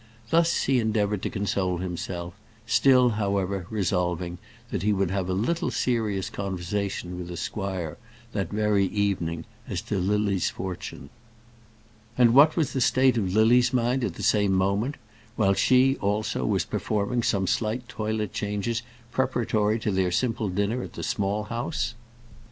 Thus he endeavoured to console himself, still, however, resolving that he would have a little serious conversation with the squire that very evening as to Lily's fortune. And what was the state of Lily's mind at the same moment, while she, also, was performing some slight toilet changes preparatory to their simple dinner at the Small House?